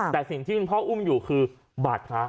แต่สิ่งที่คุณพ่ออุ้มอยู่คือบาดพระ